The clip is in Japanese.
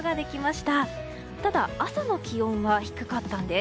ただ、朝の気温は低かったんです。